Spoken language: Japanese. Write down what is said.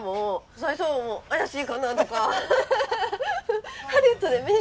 最初怪しいかなとか。